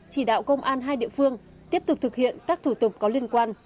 chỉ đạo công an hai địa phương tiếp tục thực hiện các thủ tục có liên quan